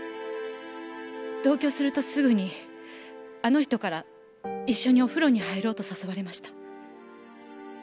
同居するとすぐにあの人から一緒にお風呂に入ろうと誘われました。